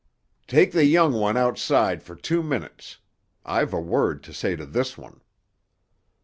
"Take the young one outside for two minutes. I've a word to say to this one."